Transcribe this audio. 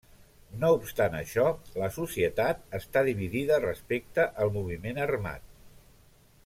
No obstant això, la societat està dividida respecte al moviment armat.